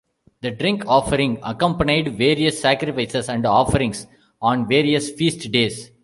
The drink offering accompanied various sacrifices and offerings on various feast days.